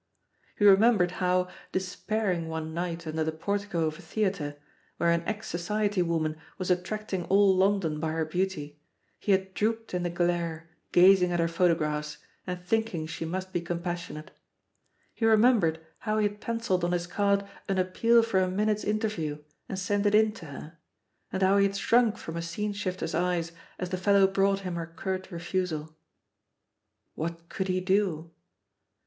He remembered how, despair a« THE POSITION OF PEGGY HARPER ing one night under the portico of a theatre, where an ex Society woman was attracting all London hy her beauty, he had drooped in the glare gazing at her photographs and thinking she must be compassionate. He remembered how he had pencilled on his card an appeal for a min ute's interview and sent it in to her, and how he had shrunk from a scene shifter's eyes as the fellow brought him her curt refusal. "What could he do?"